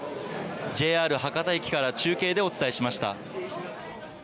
ＪＲ博多駅から中継でお伝えしました。